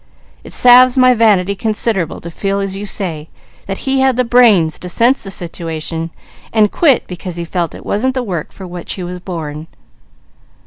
It salves my vanity considerable to feel, as you say, that he had the brains to sense the situation, and quit because he felt it wasn't the work for which he was born."